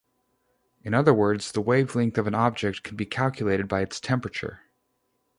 In other words, the wavelength of an object can be calculated by its temperature.